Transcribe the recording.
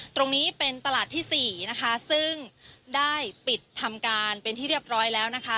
ตรงนี้เป็นตลาดที่สี่นะคะซึ่งได้ปิดทำการเป็นที่เรียบร้อยแล้วนะคะ